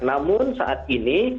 namun saat ini